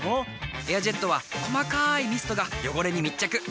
「エアジェット」は細かいミストが汚れに密着。